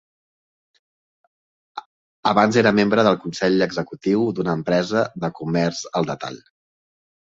Abans era membre del Consell Executiu d'una empresa de comerç al detall.